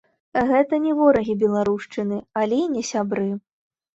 Гэта не ворагі беларушчыны, але і не сябры.